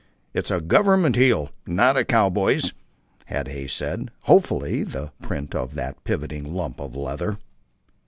"It's a government heel, not a cowboy's," had Hay said, hopefully, of the print of that pivoting lump of leather.